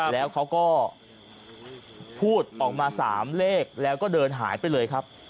แล้วเขาก็พูดออกมา๓เลขแล้วก็เดินหายไปเลยครับ